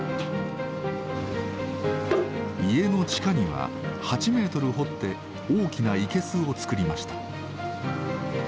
家の地下には８メートル掘って大きな生けすをつくりました。